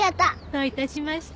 どういたしまして。